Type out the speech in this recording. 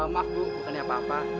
maaf bu bukannya apa apa